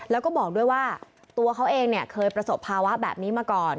แล้วก็บอกด้วยว่าตัวเขาเองเนี่ยเคยประสบภาวะแบบนี้มาก่อน